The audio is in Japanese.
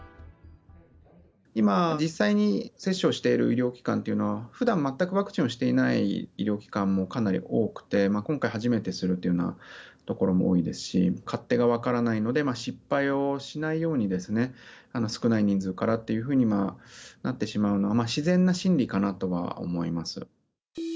今、実際に接種をしている医療機関というのは、ふだん全くワクチンをしていない医療機関もかなり多くて、今回、初めてするというようなところも多いですし、勝手が分からないので、失敗をしないように少ない人数からというふうになってしまうのは自然な心理かなとは思います。